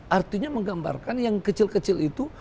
artinya menggambarkan yang kecil kecil itu